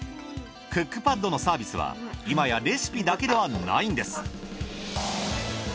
クックパッドのサービスは今やレシピだけではないんです。